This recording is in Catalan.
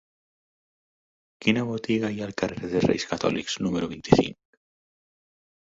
Quina botiga hi ha al carrer dels Reis Catòlics número vint-i-cinc?